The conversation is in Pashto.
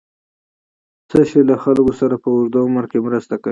څه شی له خلکو سره په اوږد عمر کې مرسته کوي؟